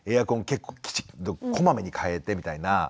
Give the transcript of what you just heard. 結構きちっとこまめに変えてみたいな。